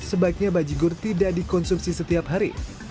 sebaiknya baji gur tidak dikonsumsi setiap hari